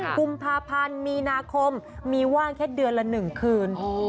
กุมภาพันธ์มีนาคมมีว่างแค่เดือนละ๑คืน